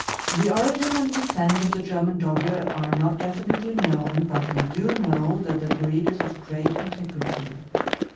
531 The origin and descent of the German Dogge are not definitely known, but we do know that the breed is of great antiquity.